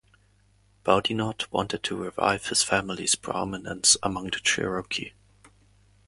Boudinot wanted to revive his family's prominence among the Cherokee.